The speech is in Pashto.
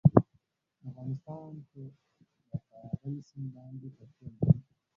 افغانستان په د کابل سیند باندې تکیه لري.